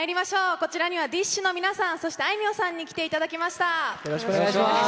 こちらにはＤＩＳＨ／／の皆さんそして、あいみょんさんに来ていただきました。